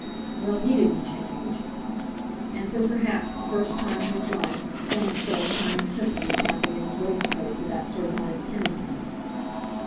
Well, he didn't change! And for perhaps the first time in his life Soames felt a kind of sympathy tapping in his waistcoat for that sardonic kinsman.